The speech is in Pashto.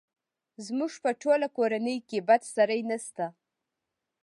زموږ په ټوله کورنۍ کې بد سړی نه شته!